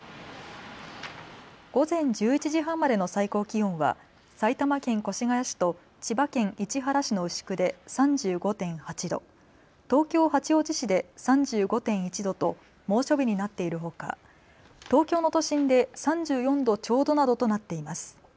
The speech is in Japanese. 午前１１時半までの最高気温は埼玉県越谷市と千葉県市原市の牛久で３５．８度、東京八王子市で３５．１度と猛暑日になっているほか東京の都心で３４度ちょうどなどとなっています。